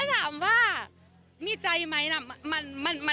ถามว่ามีใจไหมนะ